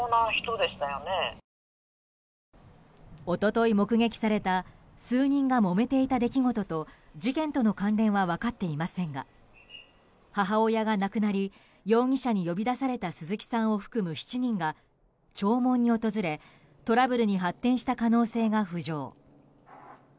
一昨日目撃された数人がもめていた出来事と事件との関連は分かっていませんが母親が亡くなり容疑者に呼び出された鈴木さんを含む７人が、弔問に訪れトラブルに発展した可能性が浮上。